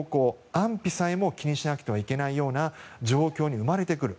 安否さえも気にしなくてはいけないような状況も生まれてくる。